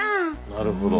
なるほど。